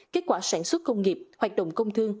kết quả sản xuất công nghiệp hoạt động công thương